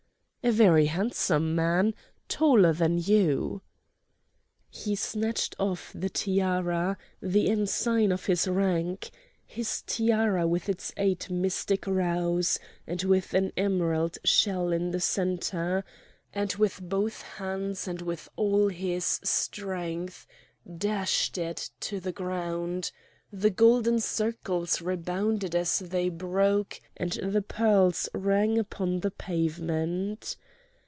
"A very handsome man!" "Taller than you!" He snatched off the tiara, the ensign of his rank—his tiara with its eight mystic rows, and with an emerald shell in the centre—and with both hands and with all his strength dashed it to the ground; the golden circles rebounded as they broke, and the pearls rang upon the pavement.